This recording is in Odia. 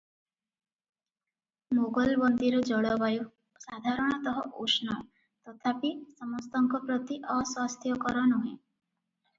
ମୋଗଲବନ୍ଦୀର ଜଳବାୟୁ ସାଧାରଣତଃ ଉଷ୍ଣ; ତଥାପି ସମସ୍ତଙ୍କ ପ୍ରତି ଅସ୍ୱାସ୍ଥ୍ୟକର ନୁହେ ।